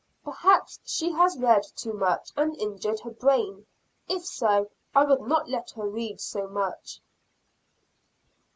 Perhaps she has read too much and injured her brain; if so, I would not let her read so much.